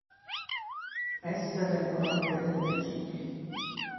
Esse vengono anche dette cicli.